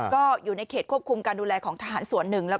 ก็อยู่ในเขตควบคุมการดูแลของทหารส่วนหนึ่ง